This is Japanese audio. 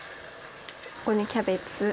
ここにキャベツ。